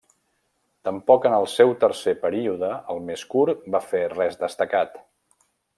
Tampoc en el seu tercer període, el més curt, va fer res destacat.